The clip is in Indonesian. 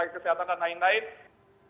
kesehatan dan lain lain